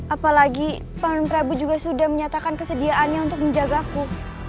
apalagi paman prabu juga sudah menyatakan kesediaannya untuk menjagaku